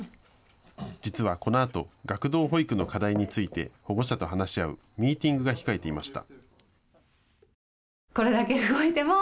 実はこのあと学童保育の課題について保護者と話し合うミーティングが控えていました。